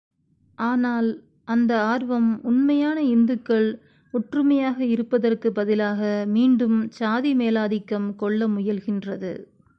ஆனால், அந்த ஆர்வம் உண்மையான இந்துக்கள் ஒற்றுமையாக இருப்பதற்கு பதிலாக மீண்டும் சாதி மேலாதிக்கம் கொள்ள முயல்கின்றது.